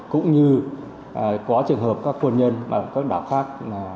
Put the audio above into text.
cũng như có trường hợp các quân nhân ở các đảo khác